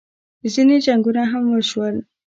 ځینې جنګونه هم وشول